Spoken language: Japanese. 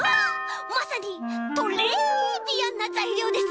まさにトレービアンなざいりょうです！